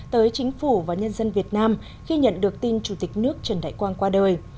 tới chính phủ và nhân dân việt nam khi nhận được tin chủ tịch nước trần đại quang qua đời